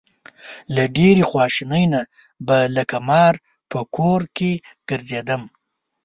له ډېرې خواشینۍ نه به لکه مار په کور کې ګرځېدم.